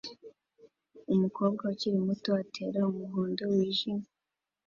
Umukobwa ukiri muto atera umuhondo wijimye